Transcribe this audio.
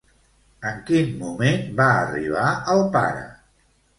En quin moment va arribar el pare?